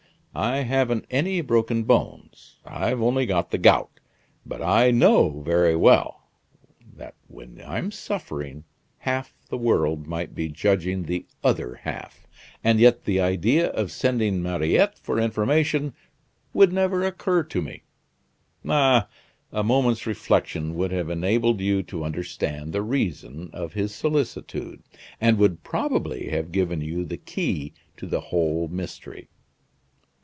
I haven't any broken bones, I've only got the gout; but I know very well that when I'm suffering, half the world might be judging the other half, and yet the idea of sending Mariette for information would never occur to me. Ah! a moment's reflection would have enabled you to understand the reason of his solicitude, and would probably have given you the key to the whole mystery."